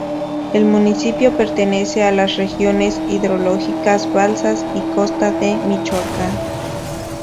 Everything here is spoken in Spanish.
El municipio pertenece a las regiones hidrológicas Balsas y Costa de Michoacán.